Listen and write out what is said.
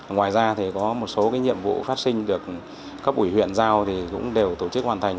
ngoài ra thì có một số nhiệm vụ phát sinh được cấp ủy huyện giao thì cũng đều tổ chức hoàn thành